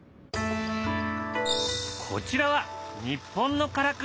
こちらは日本のからくり。